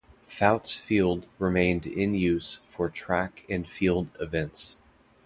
Fouts Field remained in use for track and field events.